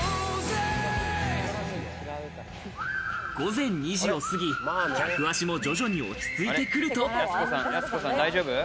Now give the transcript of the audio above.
午前２時を過ぎ、客足も徐々に落ち着いてくると。